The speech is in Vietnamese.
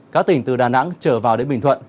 các tỉnh từ đà nẵng trở vào đến bình thuận